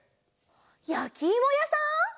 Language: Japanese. やきいもやさん！？